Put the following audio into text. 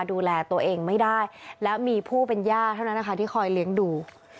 ดูแลตัวเองไม่ได้และมีผู้เป็นย่าเท่านั้นนะคะที่คอยเลี้ยงดู